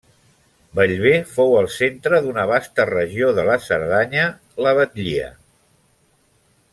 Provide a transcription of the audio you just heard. Bellver fou el centre d'una vasta regió de la Cerdanya, la Batllia.